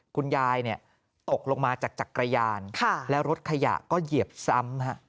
คุณยายตกลงมาจากจักรยานแล้วรถขยะก็เหยียบซ้ำ